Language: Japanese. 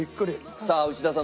さあ内田さん